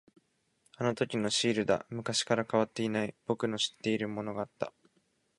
あのときのシールだ。昔から変わっていない、僕の知っているものがあった。